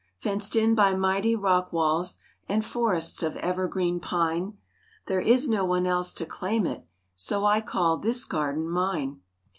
Fenced in by mighty rock walls And forests of evergreen pine, There is no one else to claim it, So I call this garden mine.